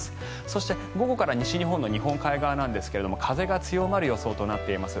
そして午後から西日本の日本海側ですが風が強まる予想となっています。